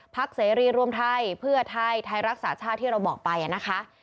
เสรีรวมไทยเพื่อไทยไทยรักษาชาติที่เราบอกไปนะคะ